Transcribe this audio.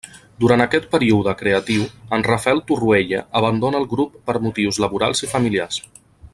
Durant aquest període creatiu en Rafel Torroella abandona el grup per motius laborals i familiars.